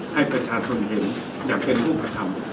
ให้ประชาชนเห็นอย่าเป็นผู้ประชำ